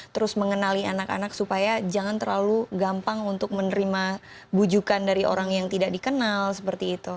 terus mengenali anak anak supaya jangan terlalu gampang untuk menerima bujukan dari orang yang tidak dikenal seperti itu